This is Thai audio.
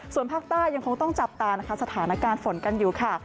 ส่วนภาคใต้ยังคงต้องจับตานะคะสถานการณ์ฝนกันอยู่ค่ะ